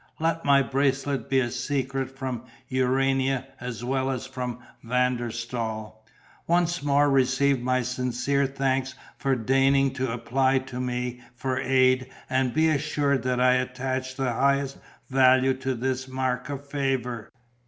Let my bracelet be a secret from Urania as well as from Van der Staal. "Once more receive my sincere thanks for deigning to apply to me for aid and be assured that I attach the highest value to this mark of favour.